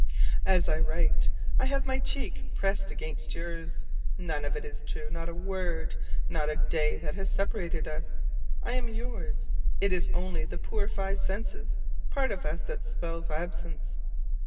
As I write I have my cheek pressed against yours. None of it is true: not a word, not a day that has separated us! I am yours: it is only the poor five senses part of us that spells absence.